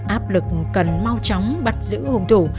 áp lực cần mau chóng bắt giữ hùng thủ